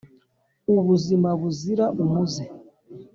Ubuzima buzira umuze